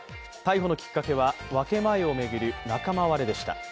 逮捕のきっかけは分け前を巡る仲間割れでした。